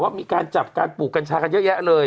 มีการจับการปลูกกัญชากันเยอะแยะเลย